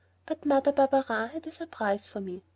But Mother Barberin had a surprise for me.